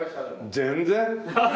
全然。